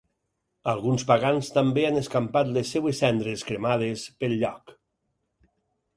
Alguns pagans també han escampat les seves cendres cremades pel lloc.